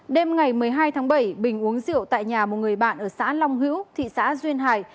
đêm ngày một mươi hai tháng bảy bình uống rượu tại nhà một người bạn ở xã long hữu thị xã duyên hải